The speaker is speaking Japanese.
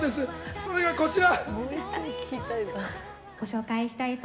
それがこちら。